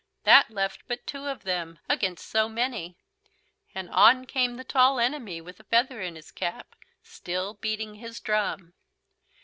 That left but two of them against so many and on came the Tall Enemy with the feather in his cap, still beating his drum.